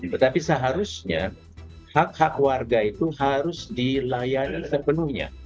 tetapi seharusnya hak hak warga itu harus dilayani sepenuhnya